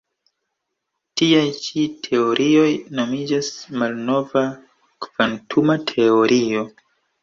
Tiaj ĉi teorioj nomiĝas malnova kvantuma teorio.